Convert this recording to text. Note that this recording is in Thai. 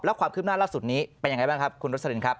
ความคืบหน้าล่าสุดนี้เป็นยังไงบ้างครับคุณรสลินครับ